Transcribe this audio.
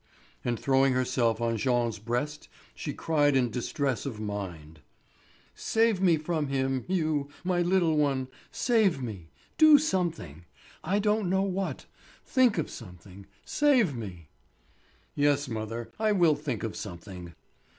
And throwing herself on Jean's breast she cried in distress of mind: "Save me from him, you, my little one. Save me; do something—I don't know what. Think of something. Save me." "Yes, mother, I will think of something."